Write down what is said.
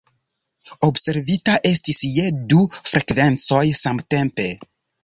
Observita estis je du frekvencoj samtempe.